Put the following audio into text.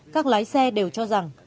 các lái xe đều cho rằng